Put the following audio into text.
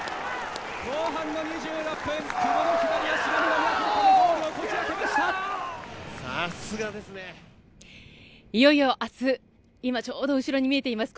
後半の２６分久保の左足ミドルがゴールをこじ開けました！